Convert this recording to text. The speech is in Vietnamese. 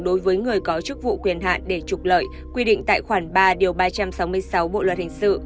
đối với người có chức vụ quyền hạn để trục lợi quy định tại khoản ba điều ba trăm sáu mươi sáu bộ luật hình sự